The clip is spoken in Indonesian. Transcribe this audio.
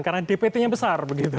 karena dpt nya besar